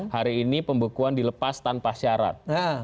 hari ini pembekuan dilepas tanpa syarat